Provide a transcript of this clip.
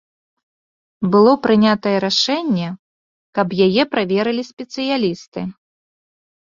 Было прынятае рашэнне, каб яе праверылі спецыялісты.